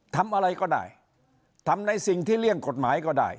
ทำอะไรก็ได้ทำในสิ่งที่เลี่ยงกฎหมายก็ได้